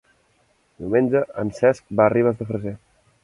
Diumenge en Cesc va a Ribes de Freser.